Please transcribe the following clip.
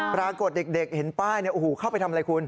ปรากฏเด็กเห็นป้ายเนี่ยโอ้โหเข้าไปทำอะไรคุณ